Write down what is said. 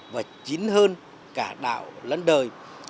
và chín hơn cả đạo lẫn đời